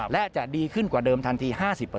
และจะดีขึ้นกว่าเดิมทันที๕๐